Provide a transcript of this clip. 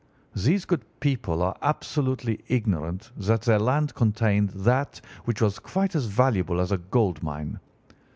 These good people were absolutely ignorant that their land contained that which was quite as valuable as a gold mine.